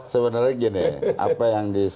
sebenarnya gini apa yang di